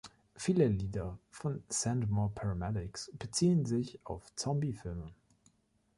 Viele Lieder von Send More Paramedics beziehen sich auf Zombie-Filme.